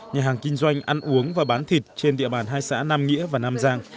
nhà hàng kinh doanh ăn uống và bán thịt trên địa bàn hai xã nam nghĩa và nam giang